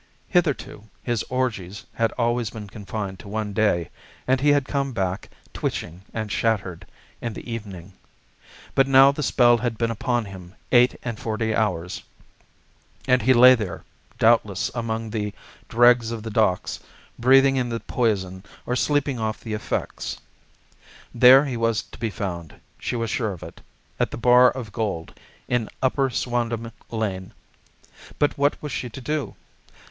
Hitherto his orgies had always been confined to one day, and he had come back, twitching and shattered, in the evening. But now the spell had been upon him eight and forty hours, and he lay there, doubtless among the dregs of the docks, breathing in the poison or sleeping off the effects. There he was to be found, she was sure of it, at the Bar of Gold, in Upper Swandam Lane. But what was she to do?